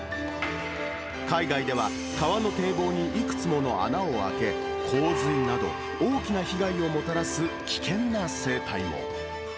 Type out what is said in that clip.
海外では、川の堤防にいくつもの穴を開け、洪水など、大きな被害をもたらす危険な生態も。